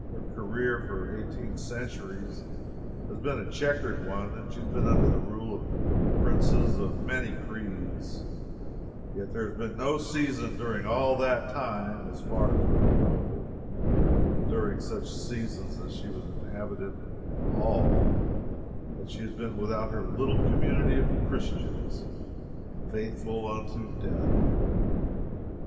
Her career, for eighteen centuries, has been a chequered one, and she has been under the rule of princes of many creeds, yet there has been no season during all that time, as far as we know, (and during such seasons as she was inhabited at all,) that she has been without her little community of Christians "faithful unto death."